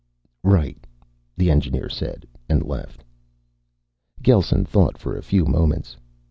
"Right," the engineer said, and left. Gelsen thought for a few moments.